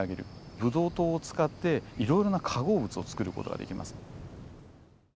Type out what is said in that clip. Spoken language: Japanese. ブドウ糖を使っていろいろな化合物をつくる事ができます。